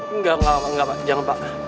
engga engga engga pak jangan pak